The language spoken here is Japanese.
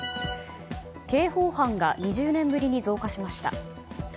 刑法犯が２０年ぶりに増加しました。